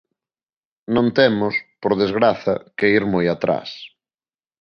Non temos, por desgraza, que ir moi atrás.